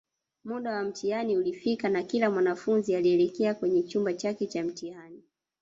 Muda wa mtihani ulifika na kila mwanafunzi alielekea kwenye chumba chake Cha mtihani